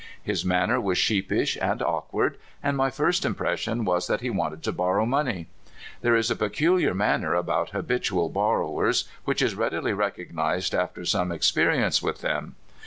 His man ner was sheepish and awkward, and my first im pression was that he wanted to borrow money. There is a peculiar manner about habitual borrow ers which is readily recognized after some experi ence with them.